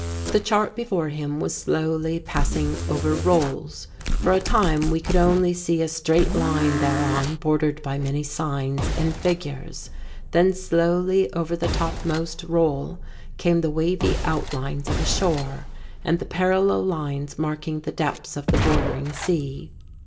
The chart before him was slowly passing over rolls. For a time we could only see a straight line thereon bordered by many signs and figures. Then slowly over the topmost roll came the wavy outlines of a shore, and the parallel lines marking the depths of the bordering sea.